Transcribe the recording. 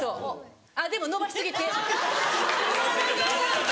あっでも伸ばし過ぎ手。